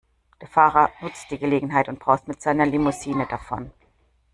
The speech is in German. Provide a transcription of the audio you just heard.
Der Fahrer nutzt die Gelegenheit und braust mit seiner Limousine davon.